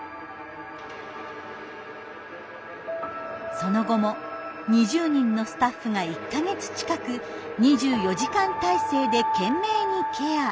その後も２０人のスタッフが１か月近く２４時間体制で懸命にケア。